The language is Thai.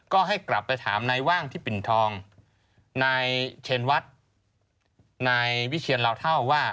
ก็ให้กลับไปถามนายว่างที่ปิ่นทองนายเชนวัดนายวิเชียนเหล่าเท่าว่า